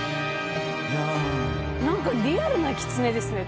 なんかリアルなキツネですね